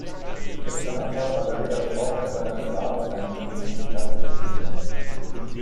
Letzte Nacht haben Randalierer das Schaufenster meines Ladens eingeschmissen und die Kasse geplündert.